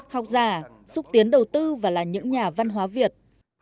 học giả xúc tiến đầu tư và là những nhà văn hóa việt